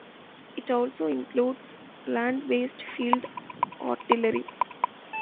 It also includes land-based field artillery.